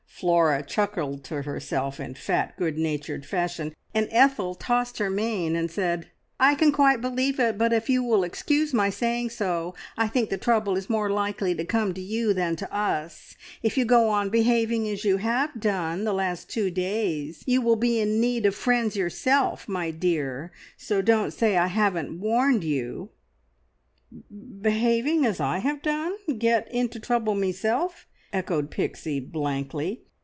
Flora chuckled to herself in fat, good natured fashion, and Ethel tossed her mane and said "I can quite believe it, but if you will excuse my saying so, I think the trouble is more likely to come to you than to us! If you go on behaving as you have done the last two days, you will be in need of friends yourself, my dear, so don't say I haven't warned you." "Behaving as I have done! Get into trouble meself!" echoed Pixie blankly.